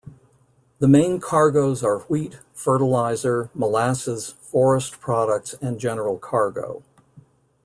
The main cargoes are wheat, fertiliser, molasses, forest products and general cargo.